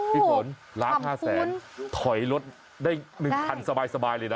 พี่ฝน๑๕๐๐๐๐๐ถอยรถได้๑คันสบายเลยนะ